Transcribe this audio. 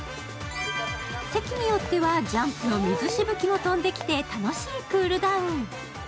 席によってはジャンプの水しぶきも飛んできて、楽しいクールダウン